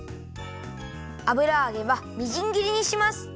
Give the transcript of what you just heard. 油あげはみじんぎりにします。